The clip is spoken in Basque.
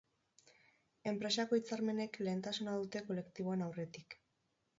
Enpresako hitzarmenek lehentasuna dute kolektiboen aurretik.